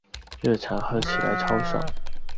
热茶喝起来超爽